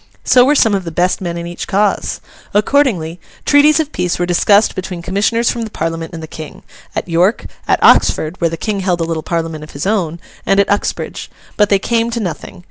So were some of the best men in each cause. Accordingly, treaties of peace were discussed between commissioners from the Parliament and the King; at York, at Oxford (where the King held a little Parliament of his own), and at Uxbridge. But they came to nothing.